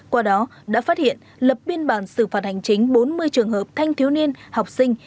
qua đó đã phát hiện lập biên bản xử phạt hành chính bốn mươi trường hợp thanh thiếu niên học sinh